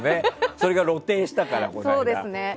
それが露呈したから、この間。